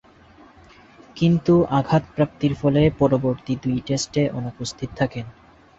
কিন্তু আঘাতপ্রাপ্তির ফলে পরবর্তী দুই টেস্টে অনুপস্থিত থাকেন।